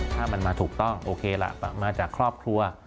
ถ้ามันมาถูกต้องโอเคล่ะมาจากครอบครัว